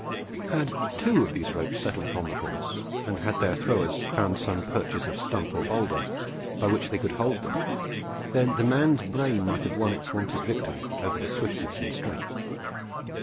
Had two of these ropes settled upon the horse, and had their throwers found some purchase of stump or boulder by which they could hold them, then the man's brain might have won its wonted victory over swiftness and strength.